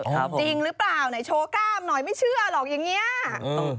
จริงหรือเปล่าไหนโชว์กล้ามหน่อยไม่เชื่อหรอกอย่างเงี้ยอืม